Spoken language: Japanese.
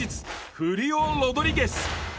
フリオ・ロドリゲス。